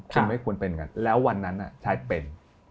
คุณไม่ควรเป็นอย่างนั้นแล้ววันนั้นน่ะชัยเป็น